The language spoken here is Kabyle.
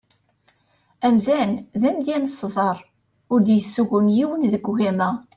Amdan d amedya n ṣsber ur d-yessugun yiwen deg ugama.